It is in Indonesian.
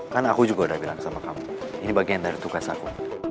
kan aku juga udah bilang sama kamu ini bagian dari tugas aku